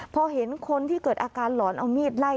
พอเห็นคนที่เกิดอาการหลอนเอามีดไล่